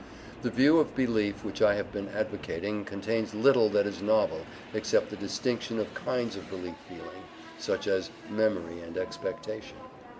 The view of belief which I have been advocating contains little that is novel except the distinction of kinds of belief feeling such as memory and expectation.